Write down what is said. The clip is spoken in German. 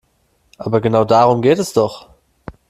Aber genau darum geht es doch.